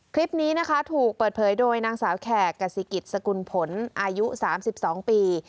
คลิปนี้นะคะถูกเปิดเผยโดยนางสาวแขกกษิกิจสกุลผลอายุ๓๒ปี